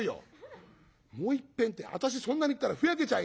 「もういっぺんって私そんなに行ったらふやけちゃうよ」。